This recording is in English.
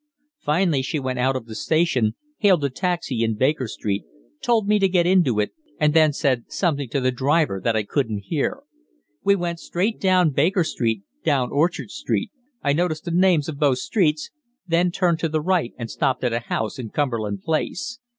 Finally she went out of the station, hailed a taxi in Baker Street, told me to get into it, and then said something to the driver that I couldn't hear. We went straight down Baker Street, down Orchard Street I noticed the names of both streets then turned to the right and stopped at a house in Cumberland Place.